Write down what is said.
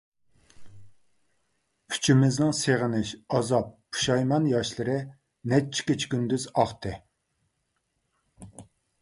ئۈچىمىزنىڭ سېغىنىش، ئازاب، پۇشايمان ياشلىرى نەچچە كېچە-كۈندۈز ئاقتى.